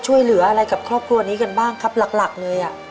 ช่วยเหลืออะไรกับครอบครัวนี้กันบ้างครับหลักเลย